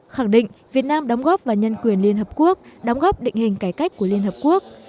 khẳng định việt nam đóng góp vào nhân quyền liên hợp quốc đóng góp định hình cải cách của liên hợp quốc